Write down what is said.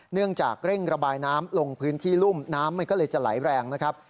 เนื่องจากเร่งระบายน้ำลงพื้นที่รุ่มน้ำมันก็เลยจะไหลแรงนะครับ